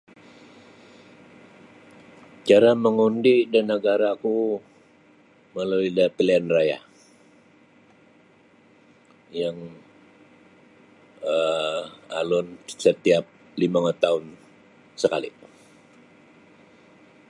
Cara mangundi da nagaraku melalui da pilihan raya yang um alun satiap limo ngotoun sekali .